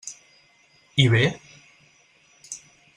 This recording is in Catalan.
I bé?